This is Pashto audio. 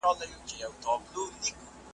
په الست کي یې وېشلي د ازل ساقي جامونه ,